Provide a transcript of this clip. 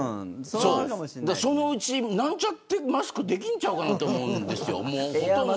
そのうち、なんちゃってマスクできるのかなと思うんです。